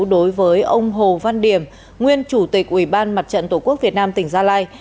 đối với ông hồ văn điểm nguyên chủ tịch ubnd tổ quốc việt nam tỉnh gia lai